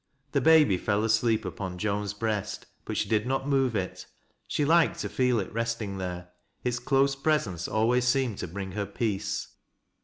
The Ijaby fell asleep upon Joan's breast, but she did not move it, — she liked to feel it resting there ; its close presence always seemed to bring her peace.